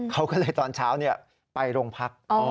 เขาก็เลยตอนเช้าไปโรงพัก